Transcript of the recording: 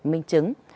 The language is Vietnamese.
bằng minh chứng